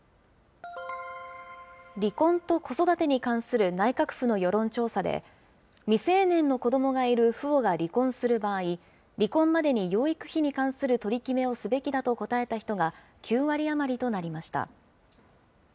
離婚と子育てに関する内閣府の世論調査で、未成年の子どもがいる父母が離婚する場合、離婚までに養育費に関する取り決めをすべきだと答えた人が９割余りとなりました。